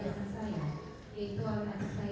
bukan yang ibu jalanin